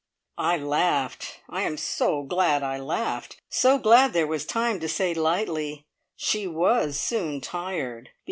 I laughed. I am so glad I laughed. So glad there was time to say lightly, "She was soon tired!"